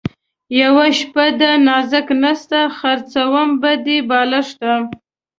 یوه شپه ده نازک نسته ـ خرڅوم به دې بالښته